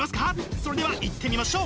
それではいってみましょう！